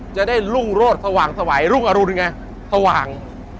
จะได้รุ่งโรดสว่างสวัยรุ่งอรุณไงสว่าง